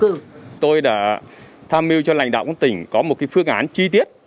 chúng tôi đã tham mưu cho lãnh đạo tỉnh có một phương án chi tiết